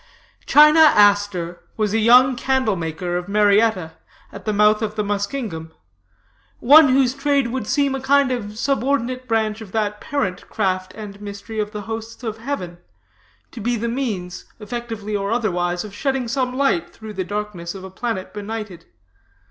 "China Aster was a young candle maker of Marietta, at the mouth of the Muskingum one whose trade would seem a kind of subordinate branch of that parent craft and mystery of the hosts of heaven, to be the means, effectively or otherwise, of shedding some light through the darkness of a planet benighted.